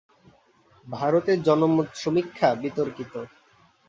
ভারতে জনমত সমীক্ষা বিতর্কিত।